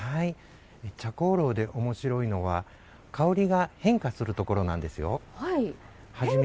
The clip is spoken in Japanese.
茶香炉でおもしろいのは香りが変化するところなんですよ。